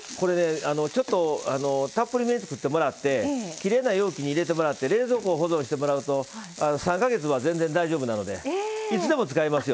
ちょっとたっぷりめに作ってもらってきれいな容器に入れてもらって冷蔵庫で保存してもらうと３か月は全然、大丈夫なのでいつでも使えますよ。